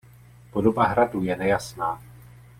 Podoba hradu je nejasná.